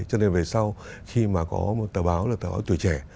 cho nên về sau khi mà có một tờ báo là tờ báo tuổi trẻ